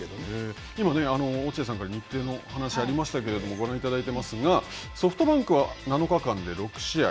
今、落合さんから日程のお話がありましたけれども、ご覧いただいてますがソフトバンクは７日間で６試合。